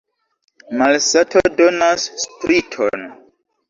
Malsato donas spriton.